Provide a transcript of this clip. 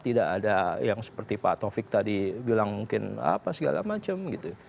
tidak ada yang seperti pak taufik tadi bilang mungkin apa segala macam gitu